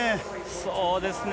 そうですね。